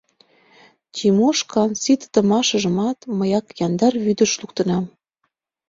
Тимошкан ситыдымашыжымат мыяк яндар вӱдыш луктынам.